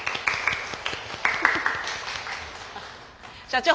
社長！